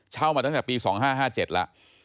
เช่ามาตั้งแต่ปี๒๕๕๗ละ